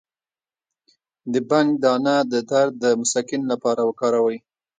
د بنګ دانه د درد د مسکن لپاره وکاروئ